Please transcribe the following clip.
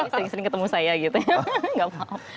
paling sering ketemu saya gitu ya